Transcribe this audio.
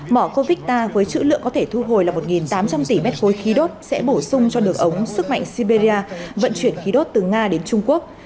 mỏ covid ta với chữ lượng có thể thu hồi là một tám trăm linh tỷ m ba khí đốt sẽ bổ sung cho đường ống sức mạnh siberia vận chuyển khí đốt từ nga đến trung quốc